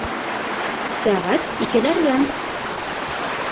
Сәғәт икеләрҙә